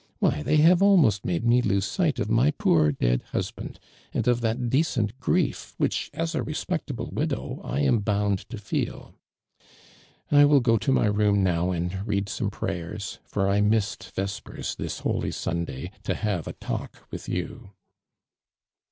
Why, they have almost made me lose sight of my poor dead husband, and of that decent grief, which, as a respectable widow, I am bound to feel. I will go to my room now, and lead some prayers, for I missed vespers this holy Sunday to have a talk with you."